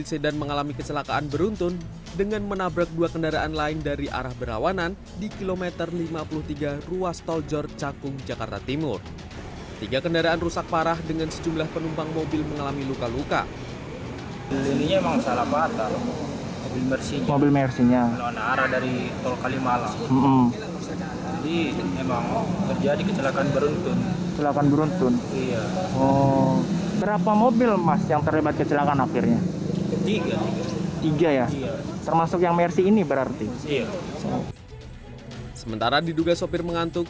sementara diduga sopir mengantuk